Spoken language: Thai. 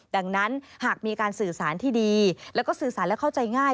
ดังนั้นหากมีการสื่อสารที่ดีแล้วก็สื่อสารและเข้าใจง่าย